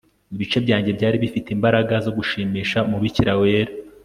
Ibice byanjye byari bifite imbaraga zo gushimisha umubikira wera